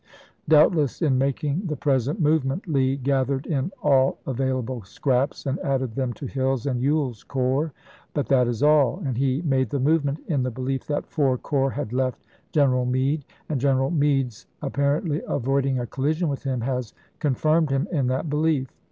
Doubtless in making the present movement Lee gathered in all available scraps and added them to Hill's and Swell's corps ; but that is all. And he made the movement in the belief that four corps had left General Meade; and General Meade's apparently avoiding a collision with him has con firmed him in that belief.